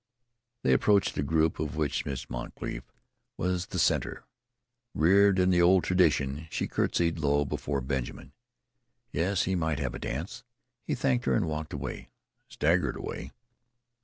They approached a group, of which Miss Moncrief was the centre. Reared in the old tradition, she curtsied low before Benjamin. Yes, he might have a dance. He thanked her and walked away staggered away.